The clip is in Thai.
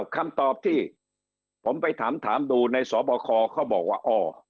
คำตอบที่ผมไปถามสอบคอบอกว่า